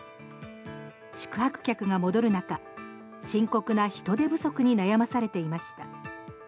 宿泊客が戻る中深刻な人手不足に悩まされていました。